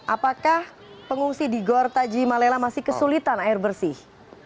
apakah pengungsi di gortaji malela masih kesulitan air bersih